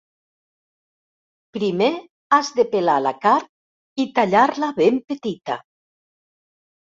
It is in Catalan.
Primer has de pelar la carn i tallar-la ben petita.